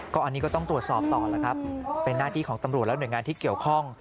อันนี้ก็ต้องตรวจสอบต่อแล้วครับเป็นหน้าที่ของตำรวจและหน่วยงานที่เกี่ยวข้อง